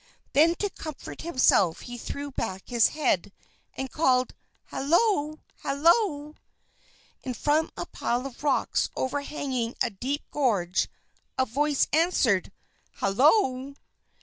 Then to comfort himself he threw back his head and called: "Halloo! Halloo!" And from a pile of rocks overhanging a deep gorge, a voice answered: "Halloo!"